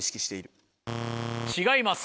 違います。